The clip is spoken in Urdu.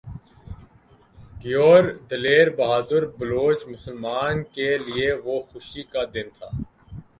غیور دلیر بہادر بلوچ مسلمان کے لیئے وہ خوشی کا دن تھا